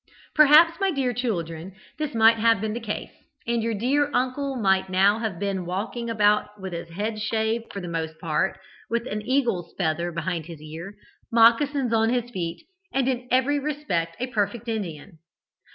"Perhaps, my dear children, this might have been the case, and your dear uncle might now have been walking about with his head shaved for the most part, with an eagle's feather behind his ear, moccasins on his feet, and in every respect a perfect Indian.